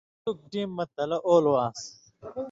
کتُک ٹېم مہ تلہ اولو آن٘س